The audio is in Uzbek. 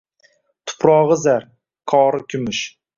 Tuprog‘i zar, qori kumush